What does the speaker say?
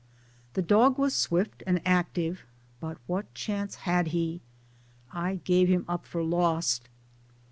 The dog was swift and active, but what chance had he? I gave him up for lost.